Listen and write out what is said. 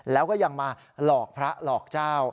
แล้วก็ยังมาหลอกพระหลอกเจ้า